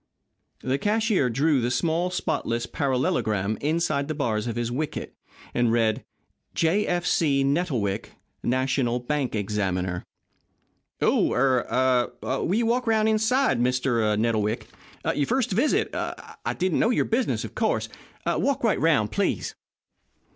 The cashier drew the small, spotless parallelogram inside the bars of his wicket, and read: J. F. C. Nettlewick National Bank Examiner "Oh er will you walk around inside, Mr. er Nettlewick. Your first visit didn't know your business, of course. Walk right around, please."